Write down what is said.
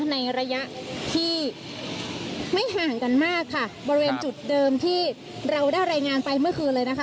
ในระยะที่ไม่ห่างกันมากค่ะบริเวณจุดเดิมที่เราได้รายงานไปเมื่อคืนเลยนะคะ